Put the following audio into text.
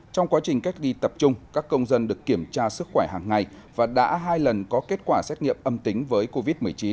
trong quá trình cách ly tập trung các công dân được kiểm tra sức khỏe hàng ngày và đã hai lần có kết quả xét nghiệm âm tính với covid một mươi chín